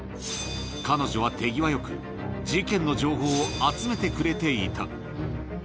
彼女は手際よく、事件の情報を集めてくれていた。